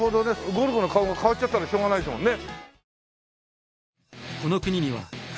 ゴルゴの顔が変わっちゃったらしょうがないですもんね。